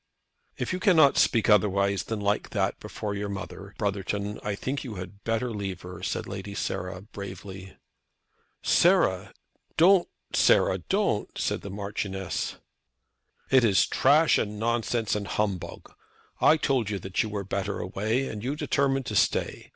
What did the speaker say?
"If you cannot speak otherwise than like that before your mother, Brotherton, I think you had better leave her," said Lady Sarah, bravely. "Don't, Sarah, don't!" said the Marchioness. "It is trash and nonsense, and humbug. I told you that you were better away, and you determined to stay.